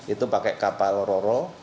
itu pakai kapal roro